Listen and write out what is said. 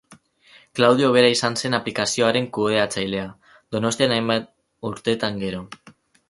Klaudio bera izan zen aplikazioaren kudeatzailea Donostian hainbat urtetan gero.